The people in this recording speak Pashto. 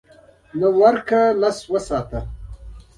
نهه ورکړه لس وساته .